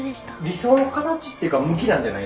理想の形っていうか向きなんじゃないですか？